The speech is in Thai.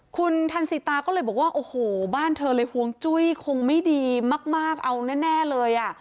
คุณทันสิตาก็เลยบอกว่าโอ้โหบ้านเธอเลยห่วงจุ้ยคงไม่ดีมากเอาแน่เลยอ่ะ